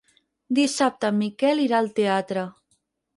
Dissabte en Miquel irà al teatre.